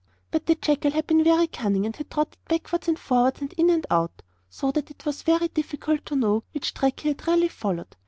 But the jackal had been very cunning, and had trotted backwards and forwards and in and out, so that it was very difficult to know which track he had really followed.